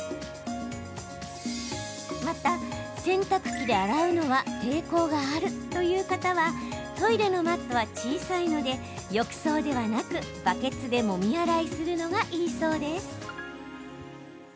また、洗濯機で洗うのは抵抗があるという方はトイレのマットは小さいので浴槽ではなくバケツでもみ洗いするのがいいそうです。